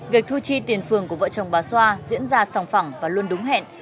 việc thu chi tiền phường của vợ chồng bà xoa diễn ra sòng phẳng và luôn đúng hẹn